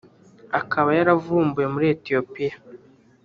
akaba yaravumbuwe muri Etiyopiya